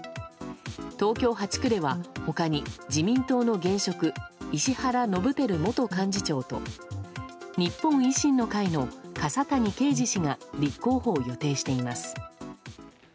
東京８区では他に自民党の現職石原伸晃元幹事長と日本維新の会の笠谷圭司氏が立候補を予定しています。